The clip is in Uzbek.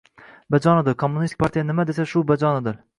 — Bajonidil, kommunistik partiya nima desa shu, bajonidil.